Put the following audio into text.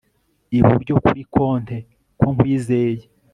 Iburyo kuri konte ko nkwizeye